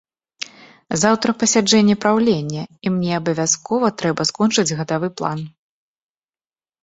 Заўтра пасяджэнне праўлення, і мне абавязкова трэба скончыць гадавы план.